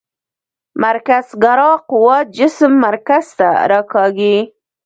مرکزګرا قوه جسم مرکز ته راکاږي.